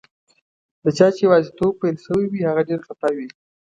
د چا چي یوازیتوب پیل شوی وي، هغه ډېر خفه وي.